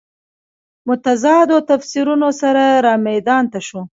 متضادو تفسیرونو سره رامیدان ته شو.